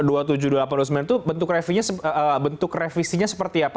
dua puluh tujuh dua puluh delapan dan dua puluh sembilan itu bentuk revisinya seperti apa